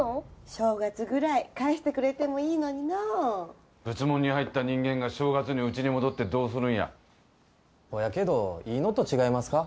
正月ぐらい帰してくれてもいいのにのう仏門に入った人間が正月にうちに戻ってどうするんやほやけどいいのと違いますか？